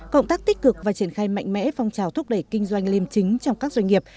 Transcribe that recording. cộng tác tích cực và triển khai mạnh mẽ phong trào thúc đẩy kinh doanh liêm chính trong các doanh nghiệp